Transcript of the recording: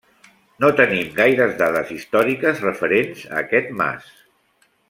No tenim gaires dades històriques referents a aquest mas.